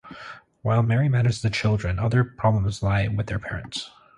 While Mary manages the children, other problems lie with their parents.